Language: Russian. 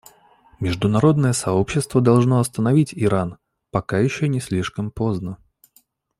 Международное сообщество должно остановить Иран, пока еще не слишком поздно.